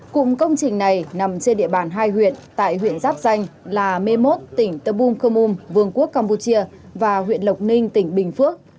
cụm công trình này nằm trên địa bàn hai huyện tại huyện giáp danh là mê mốt tỉnh tờ bung khơ mum vương quốc campuchia và huyện lộc ninh tỉnh bình phước